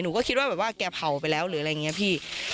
ก็คิดว่าแบบว่าแกเผาไปแล้วหรืออะไรอย่างนี้พี่